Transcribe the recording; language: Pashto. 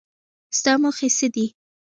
ستا موخې څه دي ؟